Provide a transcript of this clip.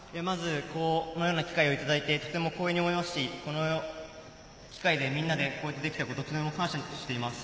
このような機会をいただいてとても光栄に思いますし、みんなでこうやってできたことに感謝しています。